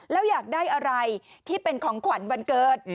แล้วอยากได้อะไรที่เป็นของขวัญวันเกิด